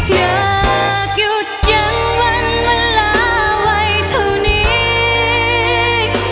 อยากหยุดยังวันเวลาไว้เท่านี้